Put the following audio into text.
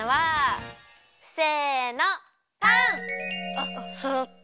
あっそろった。